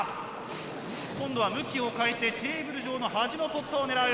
今度は向きを変えてテーブル上の端のポットを狙う。